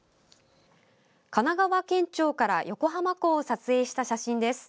神奈川県庁から横浜港を撮影した写真です。